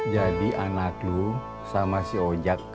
jadi anak lo sama si ojak